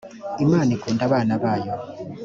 imana ikunda abana bayo.